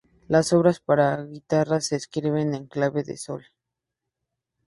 Las obras para guitarra se escriben en clave de sol.